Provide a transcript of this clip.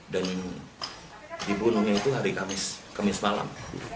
dan dibunuhnya itu hari kamis kamis malam